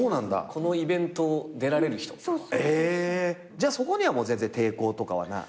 じゃあそこにはもう全然抵抗とかはない？